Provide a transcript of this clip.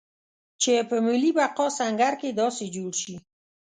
چې په ملي بقا سنګر کې داسې جوړ شي.